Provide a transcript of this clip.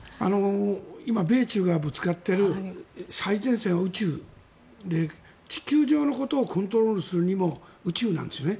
今、米中がぶつかっている最前線の宇宙で地球上のことをコントロールするにも宇宙なんですね。